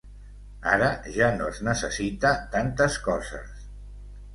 Ara ja no es necessita tantes coses.